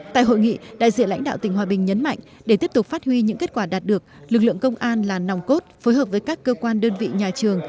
tại hội nghị đại diện lãnh đạo tỉnh hòa bình nhấn mạnh để tiếp tục phát huy những kết quả đạt được lực lượng công an là nòng cốt phối hợp với các cơ quan đơn vị nhà trường